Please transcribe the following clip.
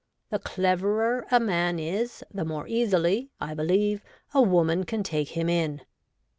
The cleverer a man is the more easily, I believe, a woman can take him in.'